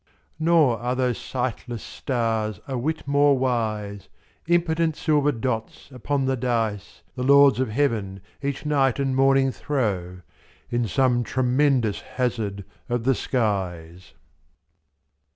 Nor are those sightless stars a whit more wise. Impotent silver dots upon the dice i(»f. The lords of heaven each night and morning throw. In some tremendous hazard of the skies.